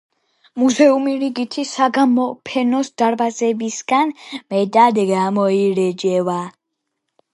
მუზეუმი რიგითი საგამოფენო დარბაზებისგან მეტად გამოირჩევა.